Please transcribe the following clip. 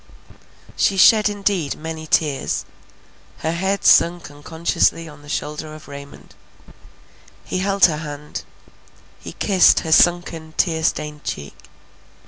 She shed indeed many tears; her head sunk unconsciously on the shoulder of Raymond; he held her hand: he kissed her sunken tear stained cheek.